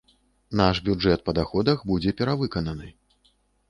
Наш бюджэт па даходах будзе перавыкананы.